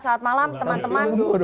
selamat malam teman teman